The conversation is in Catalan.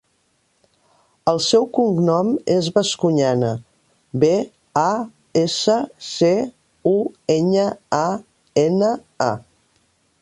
El seu cognom és Bascuñana: be, a, essa, ce, u, enya, a, ena, a.